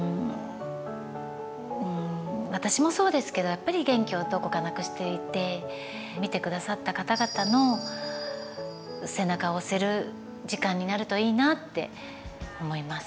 私もそうですけどやっぱり元気をどこかなくしていて見てくださった方々の背中を押せる時間になるといいなって思います。